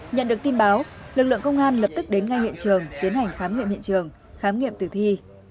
nhận được tin báo lực lượng công an lập tức đến ngay hiện trường tiến hành khám nghiệm hiện trường khám nghiệm tử thi